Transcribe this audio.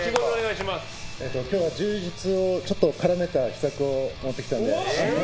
今日は柔術を絡めた秘策を持ってきたので。